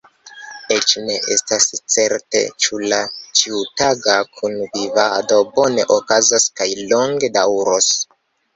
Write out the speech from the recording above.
Eĉ ne estas certe ĉu la ĉiutaga kunvivado bone okazos kaj longe daŭros.